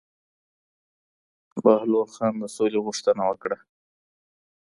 بهاول خان د سولي غوښتنه وکړه.